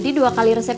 gimana sih laki lu